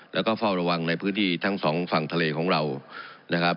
แล้วก็เฝ้าระวังในพื้นที่ทั้งสองฝั่งทะเลของเรานะครับ